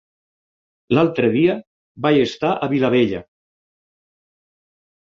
L'altre dia vaig estar a la Vilavella.